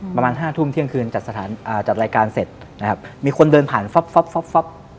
ประมาณ๕ทุ่มเที่ยงคืนจัดรายการเสร็จนะครับมีคนเดินผ่านฟ๊อบ